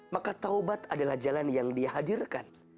maka taubat adalah jalan yang dihadirkan